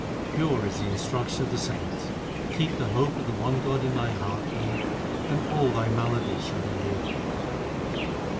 Pure is the instruction of the saints ; Keep the hope of the one God in thy heart, Nanak, and all thy maladies shall be healed.